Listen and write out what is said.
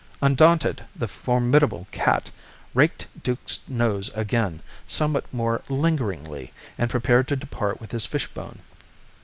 Undaunted, the formidable cat raked Duke's nose again, somewhat more lingeringly, and prepared to depart with his fishbone.